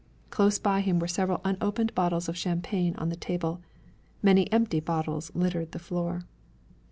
Close by him were several unopened bottles of champagne on the table. Many empty bottles littered the floor.